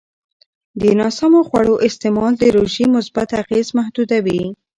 د ناسمو خوړو استعمال د روژې مثبت اغېز محدودوي.